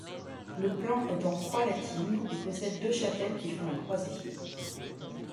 Le plan est en croix latine et possède deux chapelles qui font la croisée.